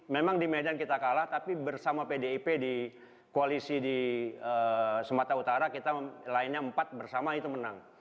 memang di medan kita kalah tapi bersama pdip di koalisi di sumatera utara kita lainnya empat bersama itu menang